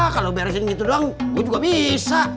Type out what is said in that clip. kalau beresin gitu doang gue juga bisa